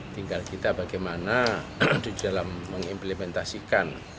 tinggal kita bagaimana di dalam mengimplementasikan